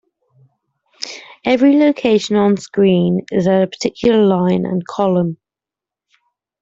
Every location onscreen is at a particular line and column.